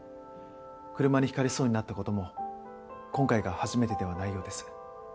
車にひかれそうになった事も今回が初めてではないようです。